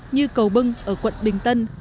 như cầu bưng ở quận bình tân